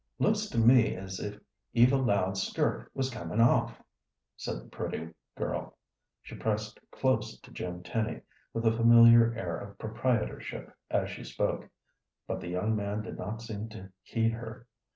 "Looks to me as if Eva Loud's skirt was comin' off," said the pretty girl. She pressed close to Jim Tenny with a familiar air of proprietorship as she spoke, but the young man did not seem to heed her.